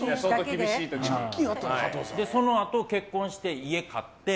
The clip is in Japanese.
そのあと、結婚して家を買って。